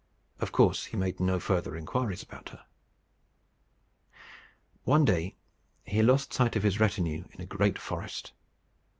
Of course he made no further inquiries about her. One day he lost sight of his retinue in a great forest.